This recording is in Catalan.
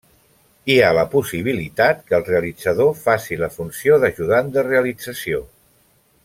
Hi ha la possibilitat que el realitzador faci la funció d'ajudant de realització.